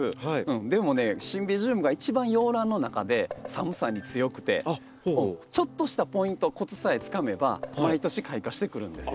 でもねシンビジウムが一番洋ランの中で寒さに強くてちょっとしたポイントコツさえつかめば毎年開花してくるんですよ。